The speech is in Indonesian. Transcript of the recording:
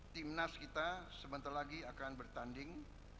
timnas kita sebentar lagi akan bertanding